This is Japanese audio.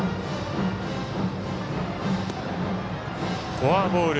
フォアボール。